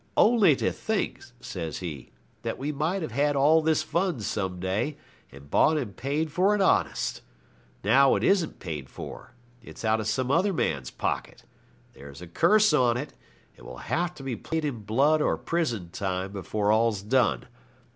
'Only to think,' says he, 'that we might have had all this fun some day, and bought and paid for it honest. Now it isn't paid for. It's out of some other man's pocket. There's a curse on it; it will have to be paid in blood or prison time before all's done.